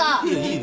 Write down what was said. はい。